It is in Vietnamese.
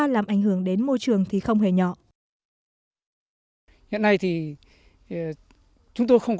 làm ảnh hưởng đến môi trường thì không hề nhỏ